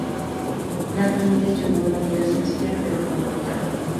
La familia llevó una vida sencilla pero confortable.